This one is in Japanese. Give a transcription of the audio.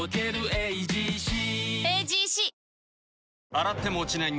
洗っても落ちない